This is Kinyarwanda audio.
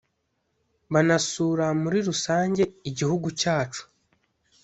banasura muri rusange igihugu cyacu